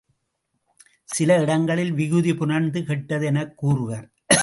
சில இடங்களில் விகுதி புணர்ந்து கெட்டது எனக் கூறுவர்.